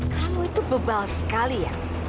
kamu itu bebal sekali ya